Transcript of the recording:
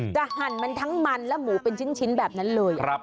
หั่นมันทั้งมันและหมูเป็นชิ้นแบบนั้นเลย